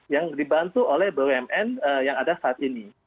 yang dibantu oleh bumn yang ada saat ini